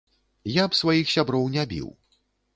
Я б сваіх сяброў не біў.